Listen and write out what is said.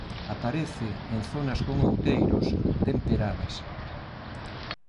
Aparece en zonas con outeiros temperadas.